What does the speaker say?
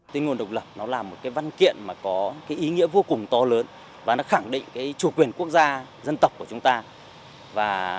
tuyên ngôn độc lập là một văn kiện có ý nghĩa vô cùng to lớn và nó khẳng định chủ quyền quốc gia dân tộc của chúng ta